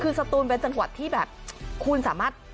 คือสตูนเป็นจังหวัดที่แบบคุณสามารถ